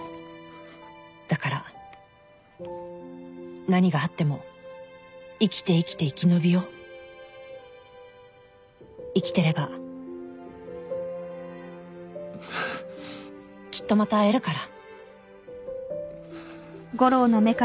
「だからなにがあっても生きて生きて生き延びよう」「生きてればきっとまた会えるから」